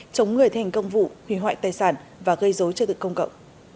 chống người thành công vụ hủy hoại tài sản và gây dối cho tự công cậu